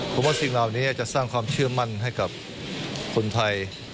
ผมว่าสิ่งเหล่านี้จะสร้างความเชื่อมั่นให้กับคนไทย